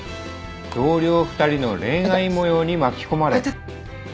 同僚２人の恋愛模様に巻き込まれ。